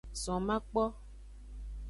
Zon makpo.